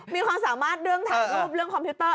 มีความสามารถเรื่องถ่ายรูปเรื่องคอมพิวเตอร์